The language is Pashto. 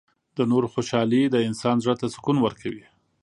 • د نورو خوشحالي د انسان زړۀ ته سکون ورکوي.